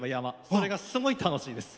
それがすごい楽しいです。